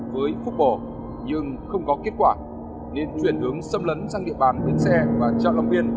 nhưng hùng cuba không chấp nhận